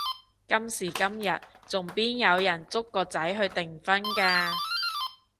今時今日仲邊有人捉個仔去訂婚㗎？